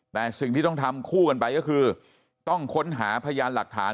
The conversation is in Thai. แต่สิ่งที่ต้องทำคู่กันไปก็คือต้องค้นหาพยานหลักฐาน